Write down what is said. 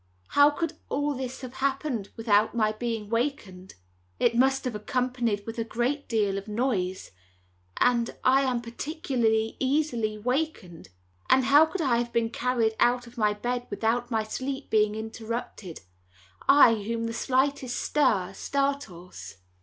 How could all this have happened without my being wakened? It must have been accompanied with a great deal of noise, and I am particularly easily wakened; and how could I have been carried out of my bed without my sleep having been interrupted, I whom the slightest stir startles?"